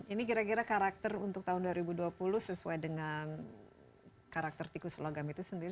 ini kira kira karakter untuk tahun dua ribu dua puluh sesuai dengan karakter tikus logam itu sendiri